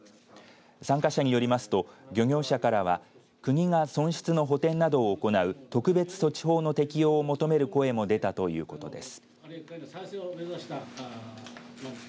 参加者によりますと漁業者からは国が損失の補填などを行う特別措置法の適用を求める声も出たということです。